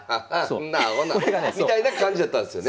んなアホなみたいな感じやったんですよね？